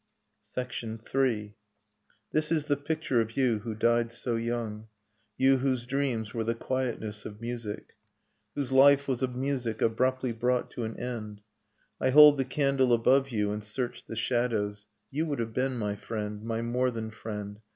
.. III. This is the picture of you who died so young — You, whose dreams were the quietness of music. Whose life was a music abruptly brought to an end. I hold the candle above you, and search the shadows. You would have been my friend, my more than friend.